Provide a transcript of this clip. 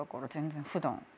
普段。